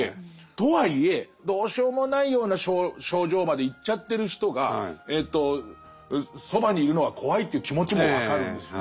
とはいえどうしようもないような症状までいっちゃってる人がそばにいるのは怖いっていう気持ちも分かるんですよ。